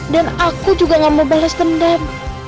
dan aku juga nggak mau bales dendam